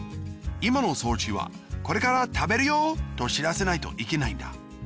いまのそうちは「これからたべるよ」としらせないといけないんだ。